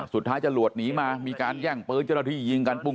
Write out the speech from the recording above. สุดท้ายจรวจหนีมามีการแย่งเปิ๊กเจ้าหน้าที่ยิงกันปุ้ง